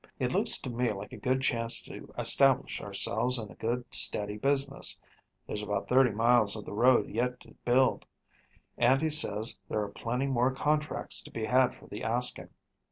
It looks to me like a good chance to establish ourselves in a good steady business. There's about thirty miles of the road yet to build. And he says there are plenty more contracts to be had for the asking.